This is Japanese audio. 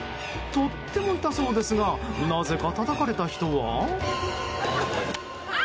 とっても痛そうですがなぜか、たたかれた人は。